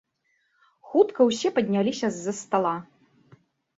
Хутка ўсе падняліся з-за стала.